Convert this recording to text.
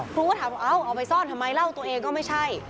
ครูก็ถามว่าเอ้าเอาไปซ่อนทำไมเล่าตัวเองก็ไม่ใช่